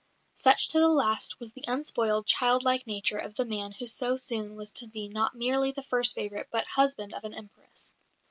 Such to the last was the unspoiled, child like nature of the man who so soon was to be not merely the first favourite but husband of an Empress.